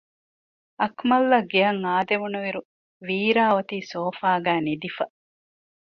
އަކުމަލްއަށް ގެއަށް އާދެވުނުއިރު ވީރާ އޮތީ ސޯފާގައި ނިދިފަ